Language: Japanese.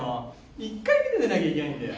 １回目で出なきゃいけないんだよ。